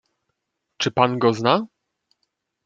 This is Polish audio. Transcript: "Czy pan go zna?"